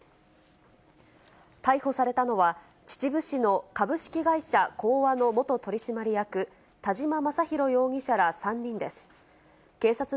逮捕されたのは、秩父市の株式会社興和の元取締役、田嶋まさひろ容疑者ら３人です。